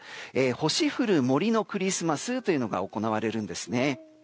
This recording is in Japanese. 星降る森のクリスマスというのが行われるんですね。